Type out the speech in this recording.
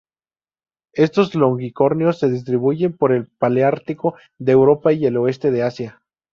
Estos longicornios se distribuyen por el paleártico de Europa y el oeste de Asia.